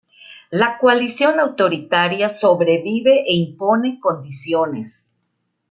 La coalición autoritaria sobrevive e impone condiciones.